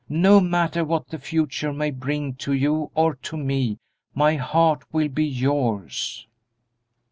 No matter what the future may bring to you or to me, my heart will be yours."